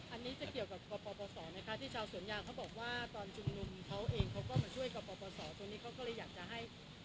อันนี้จะเกี่ยวกับกปปสนะคะที่ชาวสวนยานเขาบอกว่าตอนชุมนุมเขาเองเขาก็มาช่วยกปปส